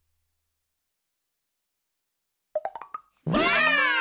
ばあっ！